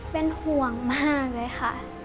เป็นห่วงมากเลยค่ะ